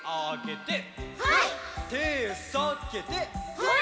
はい！